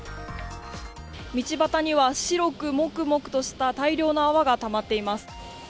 道端には白くモクモクとした大量の泡がたまっています。